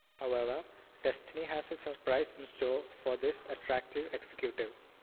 However, destiny has a surprise in store for this attractive executive.